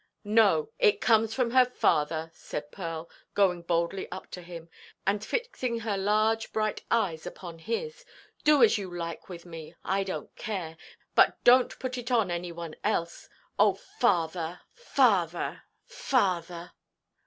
"No, it comes from her father," said Pearl, going boldly up to him, and fixing her large bright eyes upon his. "Do as you like with me; I donʼt care; but donʼt put it on any one else. Oh, father, father, father!"